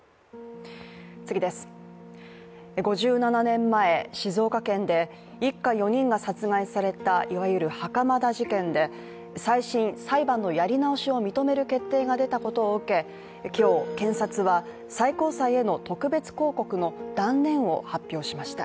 ５７年前、静岡県で一家４人が殺害されたいわゆる袴田事件で、再審＝裁判のやり直しを認める決定が出たことを受けて、今日、検察は最高裁への特別抗告の断念を発表しました。